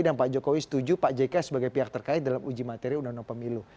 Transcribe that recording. dan pak jokowi setuju pak jk sebagai pihak terkait dalam uji materi undang undang pemilu